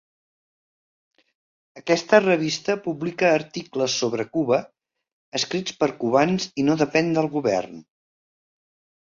Aquesta revista publica articles sobre Cuba escrits per cubans i no depèn del govern.